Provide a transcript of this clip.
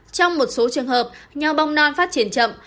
trong một số trường hợp nhau bong non phát triển chậm